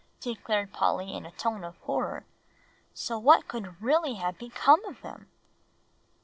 declared Polly in a tone of horror "so what could really have become of them?"